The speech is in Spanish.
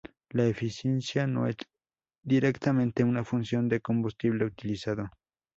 La eficiencia no es directamente una función del combustible utilizado.